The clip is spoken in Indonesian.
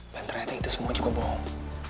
dan ternyata itu semua juga bohong